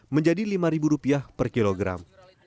menjadi rp lima per kilogram